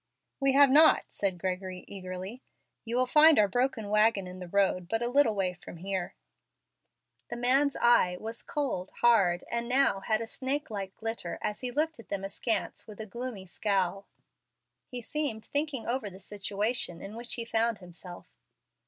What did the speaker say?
"We have not," said Gregory, eagerly. "You will find our broken wagon in the road but a little way from here." The man's eye was cold, hard, and now had a snake like glitter as he looked at them askance with a gloomy scowl. He seemed thinking over the situation in which he found himself.